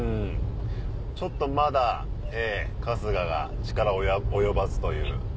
ちょっとまだ春日が力及ばずという。